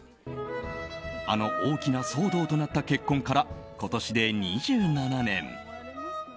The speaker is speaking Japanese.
あの大きな騒動となった結婚から今年で２７年。